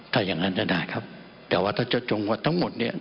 ถ้าอย่างนั้นจะได้ครับแต่ว่าถ้าเจ้าจงกว่าทั้งหมดเนี่ย